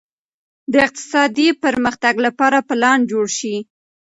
د اقتصادي پرمختګ لپاره پلان جوړ شي.